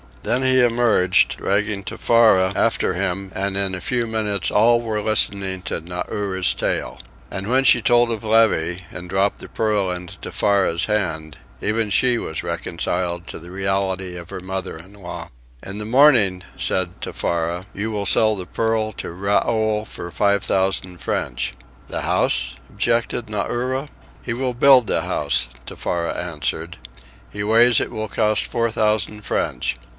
Then he emerged, dragging Tefara after him, and in a few minutes all were listening to Nauri's tale. And when she told of Levy, and dropped the pearl into Tefara's hand, even she was reconciled to the reality of her mother in law. "In the morning," said Tefara, "you will sell the pearl to Raoul for five thousand French." "The house?" objected Nauri. "He will build the house," Tefara answered. "He ways it will cost four thousand French.